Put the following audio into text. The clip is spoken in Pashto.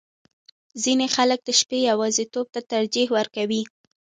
• ځینې خلک د شپې یواځیتوب ته ترجیح ورکوي.